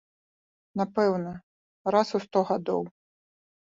Напэўна, раз у сто гадоў.